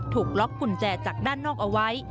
ถูกล็อกกุญแจจากด้านนอกเอาไว้